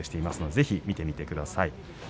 ぜひ見てみてください。